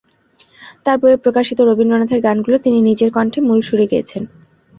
তাঁর বইয়ে প্রকাশিত রবীন্দ্রনাথের গানগুলো তিনি নিজের কণ্ঠে মূল সুরে গেয়েছেন।